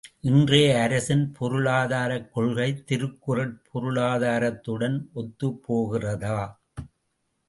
இன்றைய அரசின் பொருளாதாரக் கொள்கை திருக்குறட் பொருளாதாரத்துடன் ஒத்துப்போகிறதா?